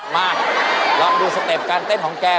มาลองดูสเต็ปการเต้นของแก